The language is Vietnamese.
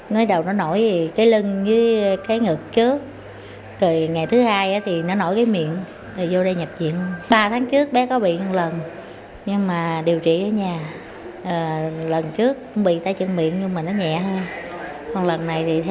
điều trị ở nhà lần trước cũng bị tay chân miệng nhưng mà nó nhẹ hơn còn lần này thì thấy nặng hơn nên nhập chuyện